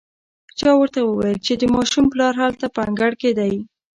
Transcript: چا ورته وويل چې د ماشوم پلار هلته په انګړ کې دی.